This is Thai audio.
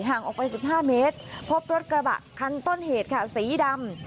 ห่างออกไป๑๕เมตรพบรถกระบะคันต้นเหตุค่ะสีดำ